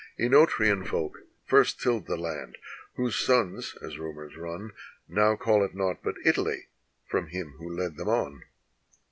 (Enotrian folk first tilled the land, whose sons, as rumors run, Now call it nought but Italy from him who led them on.